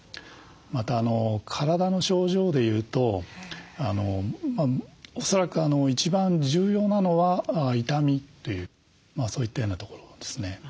また体の症状でいうと恐らく一番重要なのは痛みというそういったようなところですね。